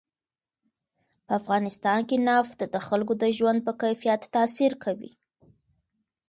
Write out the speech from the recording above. په افغانستان کې نفت د خلکو د ژوند په کیفیت تاثیر کوي.